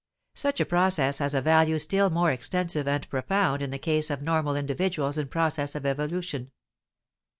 Such a process has a value still more extensive and profound in the case of normal individuals in process of evolution.